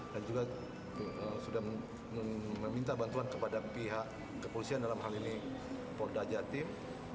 dan juga sudah meminta bantuan kepada pihak kepolisian dalam hal ini polda jatim